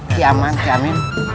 ti aman ti amin